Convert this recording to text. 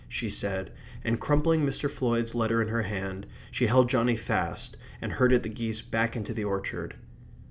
she said, and crumpling Mr. Floyd's letter in her hand, she held Johnny fast and herded the geese back into the orchard.